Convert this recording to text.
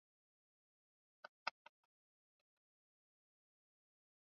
Sahara lilikuwa kizuizi kikuu cha mawasiliano na usafiri kati ya